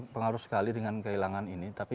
pengaruh sekali dengan kehilangan ini tapi